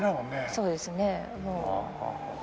そうですね。